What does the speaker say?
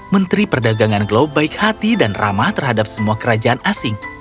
menteri perdagangan globe baik hati dan ramah terhadap semua kerajaan asing